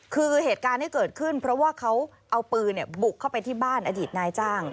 คือเหตุการณ์ที่เกิดขึ้นเพราะว่าเขาเอาปืนบุกเข้าไปที่บ้านอดีตนายจ้าง